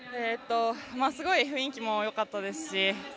すごい雰囲気もよかったですし